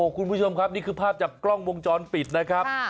คุณผู้ชมครับนี่คือภาพจากกล้องวงจรปิดนะครับ